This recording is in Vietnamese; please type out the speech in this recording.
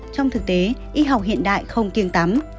trong thực tế y học hiện đại không kiêng tắm